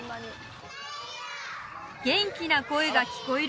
元気な声が聞こえる